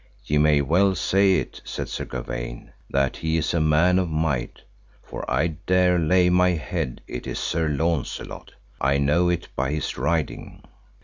Ye may well say it, said Sir Gawaine, that he is a man of might, for I dare lay my head it is Sir Launcelot, I know it by his riding.